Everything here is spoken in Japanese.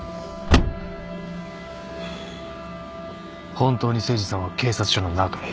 本当に誠司さんは警察署の中へ？